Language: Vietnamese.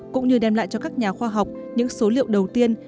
cũng như đem lại cho các nhà khoa học những số liệu đầu tiên